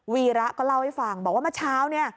วีระก็เล่าให้ฟังบอกว่าเมื่อเช้าเนี่ย